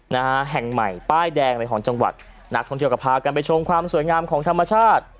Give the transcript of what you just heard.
นะฮะแห่งใหม่ป้ายแดงเลยของจังหวัดนักท่องเที่ยวก็พากันไปชมความสวยงามของธรรมชาติ